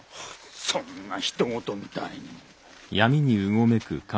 そんなひとごとみたいに。